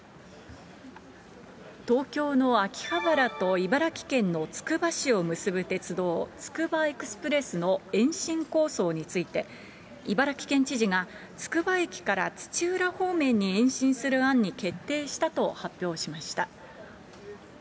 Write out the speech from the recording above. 東京の秋葉原と茨城県のつくば市を結ぶ鉄道、つくばエクスプレスの延伸構想について、茨城県知事が、つくば駅から土浦方面に延伸する案に決定したと発表しました。